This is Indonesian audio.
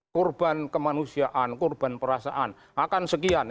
kurban kemanusiaan kurban perasaan akan sekian